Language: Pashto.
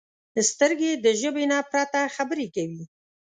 سترګې د ژبې نه پرته خبرې کوي